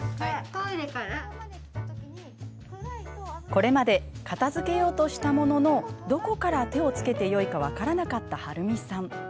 これまで片づけようとしたもののどこから手をつけていいか分からなかった、はるみさん。